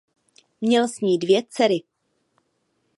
Měl s ní dvě dcery.